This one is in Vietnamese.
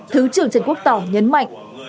thứ trưởng trần quốc tỏ nhấn mạnh